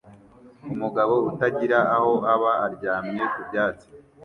Umugabo utagira aho aba aryamye ku byatsi